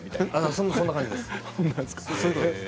そんな感じです。